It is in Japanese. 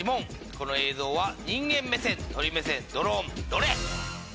この映像は人間目線鳥目線ドローンどれ？